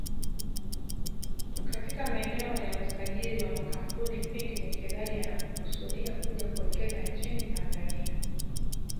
katika maeneo ya usajili wa makampuni pindi mwekezaji anapokusudia kuja kuwekeza nchini Tanzania